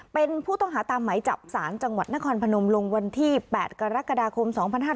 เป็นผู้ต้องหาตามไหมจับศาลจังหวัดนครพนมลงวันที่๘กรกฎาคม๒๕๕๙